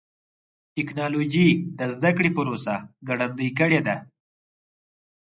ټکنالوجي د زدهکړې پروسه ګړندۍ کړې ده.